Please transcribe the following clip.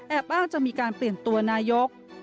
อ้างจะมีการเปลี่ยนตัวนายก